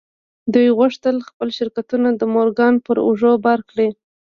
دوی غوښتل خپل شرکتونه د مورګان پر اوږو بار کړي.